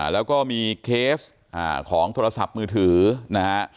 แล้วก็มีเคสของโทรศัพท์มือถือนะฮะ